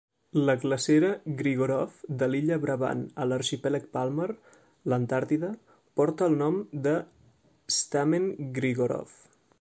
La glacera Grigorov de l'illa Brabant a l'arxipèlag Palmer, l'Antàrtida, porta el nom de Stamen Grigorov.